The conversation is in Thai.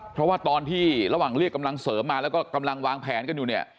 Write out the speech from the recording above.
เพราะว่าตอนที่ระหว่างเรียกกำลังเสริมมาแล้วก็กำลังวางแผนกันอยู่เนี่ย